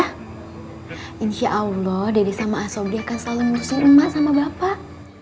insya allah dede sama asobri akan selalu mengusur emak sama bapak